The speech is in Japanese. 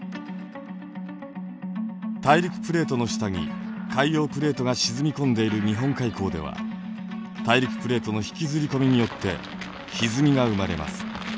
大陸プレートの下に海洋プレートが沈み込んでいる日本海溝では大陸プレートの引きずり込みによってひずみが生まれます。